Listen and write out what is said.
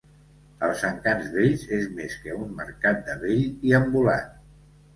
Els Encants Vells és més que un mercat de vell i ambulant.